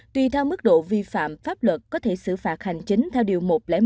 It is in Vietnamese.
tùy theo mức độ vi phạm pháp luật có thể xử phạt hành chính theo điều một trăm linh một